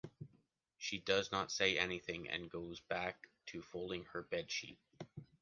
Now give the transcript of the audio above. She does not say anything and goes back to folding her bed sheet.